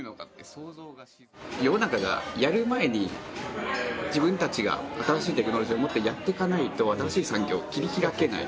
世の中がやる前に自分たちが新しいテクノロジーをもっとやっていかないと新しい産業を切り開けない。